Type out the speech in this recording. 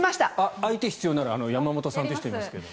相手必要なら山本さんという人がいますけど。